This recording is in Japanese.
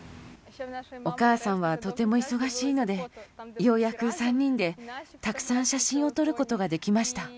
お母さんはとても忙しいので、ようやく３人でたくさん写真を撮ることができました。